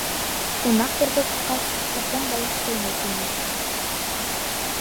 Ҡунаҡ берҙе тотҡас, кипкән балыҡ сәйнәй-сәйнәй: